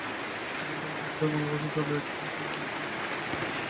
তখন থেকেই সর্বস্তরে বাংলা ভাষা চালুর একটা চেষ্টা আমাদের রয়েছে, আংশিক সাফল্যসহ।